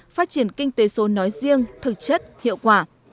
phát triển kinh tế số nói riêng thực chất hiệu quả